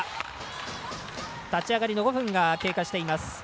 立ち上がりの５分が経過しています。